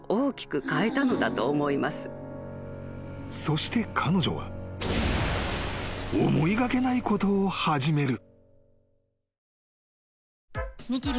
［そして彼女は思いがけないことを始める］